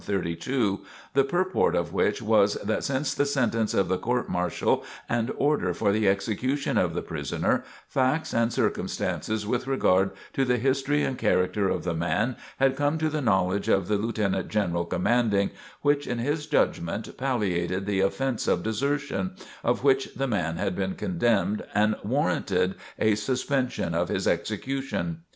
132," the purport of which was that since the sentence of the Court martial and order for the execution of the prisoner, facts and circumstances with regard to the history and character of the man had come to the knowledge of the Lieutenant General Commanding which in his judgment palliated the offence of desertion of which the man had been condemned and warranted a suspension of his execution.